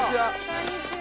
こんにちは。